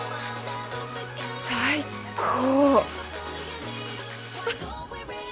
最高！